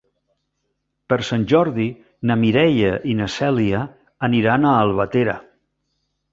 Per Sant Jordi na Mireia i na Cèlia aniran a Albatera.